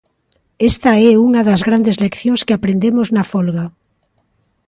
Esta é unha das grandes leccións que aprendemos na folga.